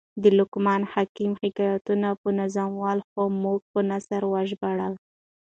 د لقمان حکم حکایتونه په نظم ول؛ خو موږ په نثر وژباړل.